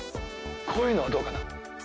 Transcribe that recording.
こういうのはどうかな？